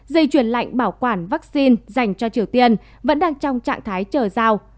dây chuyển lạnh bảo quản vaccine dành cho triều tiên vẫn đang trong trạng thái chờ giao